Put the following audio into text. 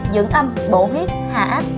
dưỡng âm bổ huyết hạ áp